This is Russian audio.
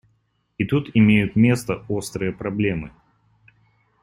И тут имеют место острые проблемы.